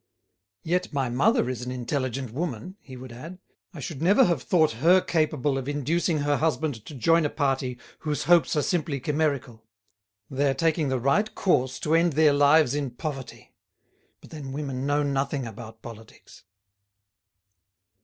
"Yet my mother is an intelligent woman," he would add. "I should never have thought her capable of inducing her husband to join a party whose hopes are simply chimerical. They are taking the right course to end their lives in poverty. But then women know nothing about politics."